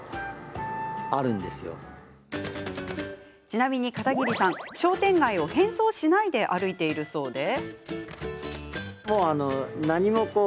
ちなみに片桐さん、商店街を変装しないで歩いているそうで。